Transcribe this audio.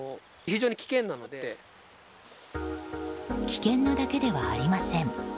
危険なだけではありません。